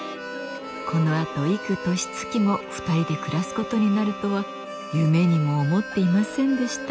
このあと幾年月も２人で暮らすことになるとは夢にも思っていませんでした